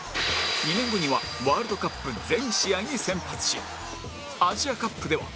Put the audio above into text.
２年後にはワールドカップ全試合に先発しアジアカップでは